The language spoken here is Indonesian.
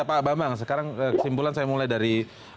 pak bambang sekarang kesimpulan saya mulai dari